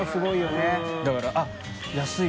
だからあっ安い